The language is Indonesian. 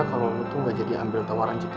kalau muntung gak jadi ambil tawaran cikgu